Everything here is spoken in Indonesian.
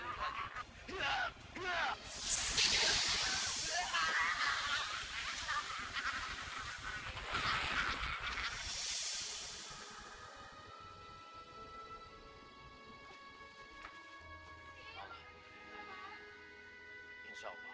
sekiranya kamu ke kapol ke dua dan bisa mati